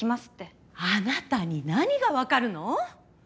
あなたに何がわかるの？